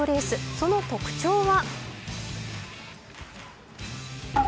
その特徴は。